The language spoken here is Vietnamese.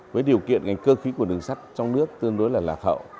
với điều kiện ngành cơ khí của đường sắt trong nước tương đối là lạc hậu